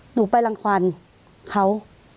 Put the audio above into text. หนูไปรังควันเขา